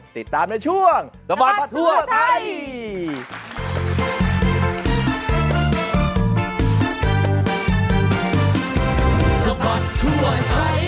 ติดตามในช่วงสะบัดทั่วไทย